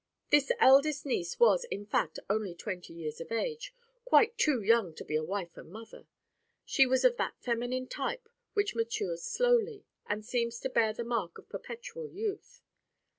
This eldest niece was, in fact, only twenty years of age—quite too young to be a wife and mother. She was of that feminine type which matures slowly and seems to bear the mark of perpetual youth.